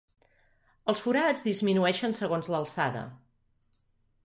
Els forats disminueixen segons l'alçada.